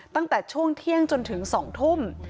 ตั้งแต่ช่วงเที่ยงจนถึง๒ทุ่ม